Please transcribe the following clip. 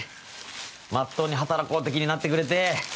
まっとうに働こうって気になってくれて。